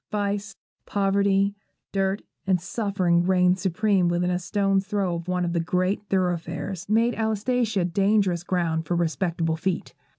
Vice, poverty, dirt, and suffering reigned supreme within a stone's throw of one of the great thoroughfares, and made Alsatia dangerous ground for respectable feet.